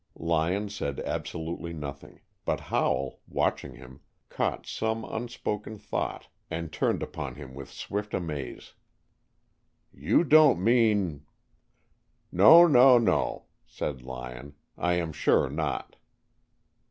Lyon said absolutely nothing, but Howell, watching him, caught some unspoken thought and turned upon him with swift amaze. "You don't mean " "No, no, no," said Lyon. "I am sure not."